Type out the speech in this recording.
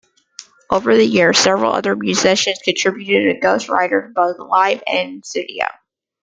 Over the years, several other musicians contributed to Ghostwriters, both live and in studio.